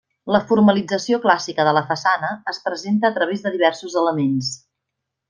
La formalització clàssica de la façana es presenta a través de diversos elements.